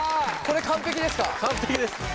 これ完璧ですか？